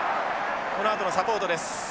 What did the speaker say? このあとのサポートです。